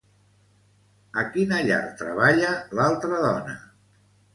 A quina llar treballa l'altra dona?